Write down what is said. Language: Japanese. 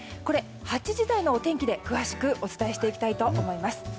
これ、８時台のお天気で詳しくお伝えしていきたいと思います。